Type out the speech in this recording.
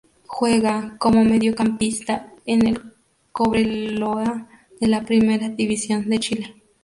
Juega como Mediocampista en el Cobreloa de la Primera División de Chile.